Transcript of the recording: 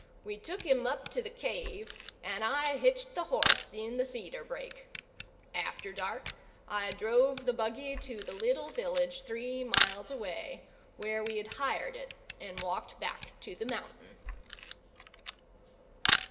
We took him up to the cave and I hitched the horse in the cedar brake. After dark I drove the buggy to the little village, three miles away, where we had hired it, and walked back to the mountain.